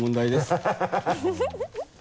ハハハ